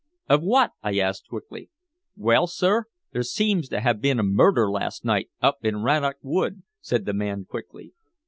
"Of what?" I asked quickly. "Well, sir, there seems to have been a murder last night up in Rannoch Wood," said the man quickly.